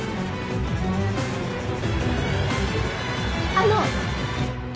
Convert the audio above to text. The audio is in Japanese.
あの！